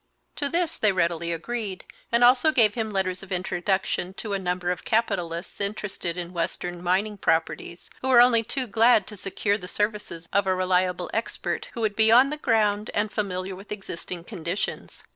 To this they readily agreed, and also gave him letters of introduction to a number of capitalists interested in western mining properties, who were only too glad to secure the services of a reliable expert who would be on the ground and familiar with existing conditions.